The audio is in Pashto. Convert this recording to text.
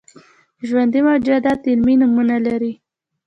ژوندي موجودات علمي نومونه لري